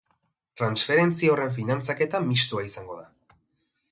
Transferentzia horren finantzaketa mistoa izango da.